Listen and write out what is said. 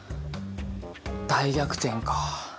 大逆転かぁ。